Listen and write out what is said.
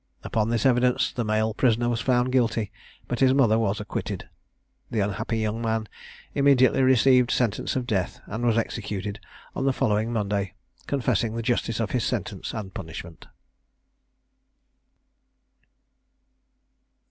Upon this evidence the male prisoner was found guilty, but his mother was acquitted. The unhappy young man immediately received sentence of death, and was executed on the following Monday, confessing the justice of his sentence and punishment.